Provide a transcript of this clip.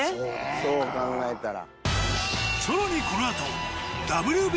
そう考えたら。